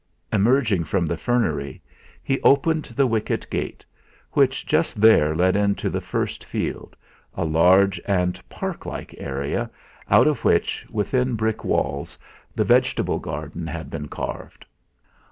Emerging from the fernery, he opened the wicket gate, which just there led into the first field, a large and park like area, out of which, within brick walls, the vegetable garden had been carved.